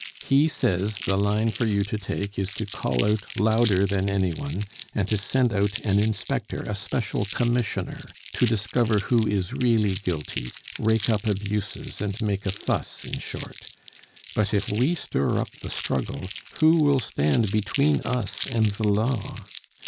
He says the line for you to take is to call out louder than any one, and to send out an inspector, a special commissioner, to discover who is really guilty, rake up abuses, and make a fuss, in short; but if we stir up the struggle, who will stand between us and the law?